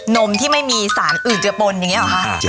นมที่ไม่มีสารอื่นจะปนอย่างนี้หรอคะ